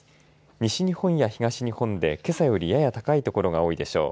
西日本や東日本でけさよりやや高い所が多いでしょう。